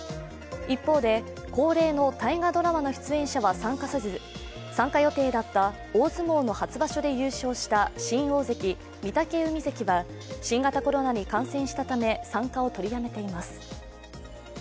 一方で、恒例の大河ドラマの出演者は参加せず参加予定だった大相撲の初場所で優勝した新大関・御嶽海関は新型コロナに感染したため参加を取りやめています。